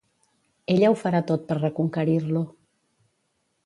Ella ho farà tot per reconquerir-lo.